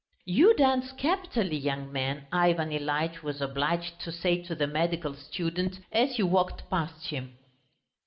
"You dance capitally, young man," Ivan Ilyitch was obliged to say to the medical student as he walked past him.